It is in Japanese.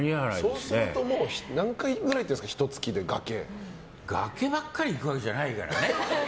そうすると何回くらい行ってるんですか崖ばっかり行くわけじゃないからね。